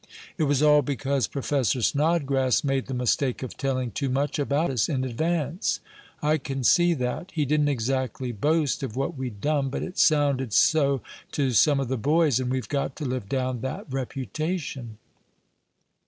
It was all because Professor Snodgrass made the mistake of telling too much about us in advance. I can see that. He didn't exactly boast of what we'd done, but it sounded so to some of the boys, and we've got to live down that reputation.